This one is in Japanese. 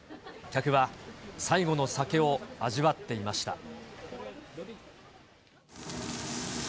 客は最後の酒を味わっていました。